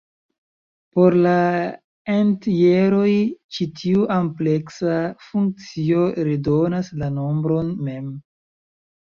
Por la entjeroj, ĉi tiu ampleksa funkcio redonas la nombron mem.